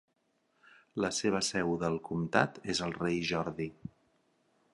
La seva seu del comtat és el rei Jordi.